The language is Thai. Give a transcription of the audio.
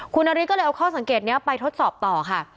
คุณนาริสก็เลยเอาข้อสังเกตนี้ไปทดสอบต่อค่ะ